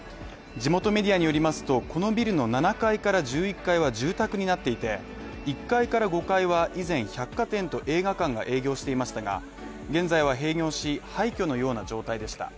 地元メディアによりますと、このビルの７階から１１階は住宅になっていて１階から５階は以前百貨店と映画館が営業していましたが現在は閉業し、廃虚のような状態でした。